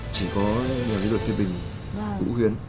chỉ có một lần được phiếu bình vũ huyến